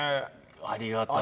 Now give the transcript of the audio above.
ありがたい。